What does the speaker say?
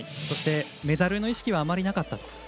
そして、メダルへの意識はあまりなかったと。